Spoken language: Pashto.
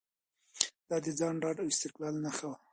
دا د ځان ډاډ او استقلال نښه وه.